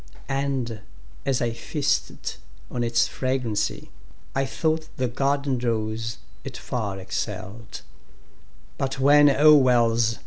And, as I feasted on its fragrancy,I thought the garden rose it far excell'd:But when, O Wells!